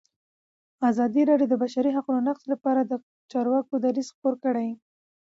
ازادي راډیو د د بشري حقونو نقض لپاره د چارواکو دریځ خپور کړی.